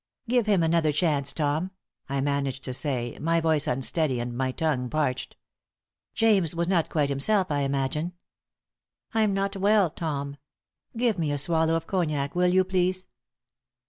"Give him another chance, Tom." I managed to say, my voice unsteady and my tongue parched. "James was not quite himself, I imagine. I'm not well, Tom. Give me a swallow of cognac, will you, please?"